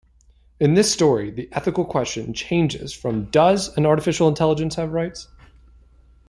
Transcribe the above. In this story the ethical question changes from Does an artificial intelligence have rights?